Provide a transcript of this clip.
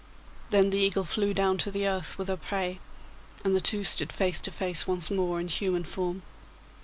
Then the eagle flew down to the earth with her prey, and the two stood face to face once more in human form.